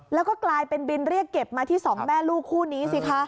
แล้วก็กลายเป็นบินเรียกเก็บมาที่สองแม่ลูกคู่นี้สิคะ